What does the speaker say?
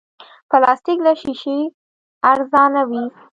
پلاستيک له شیشې ارزانه وي.